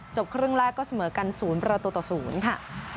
ครึ่งแรกก็เสมอกัน๐ประตูต่อ๐ค่ะ